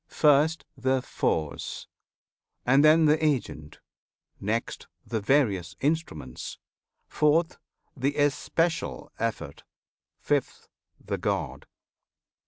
First the force; and then The agent; next, the various instruments; Fourth, the especial effort; fifth, the God.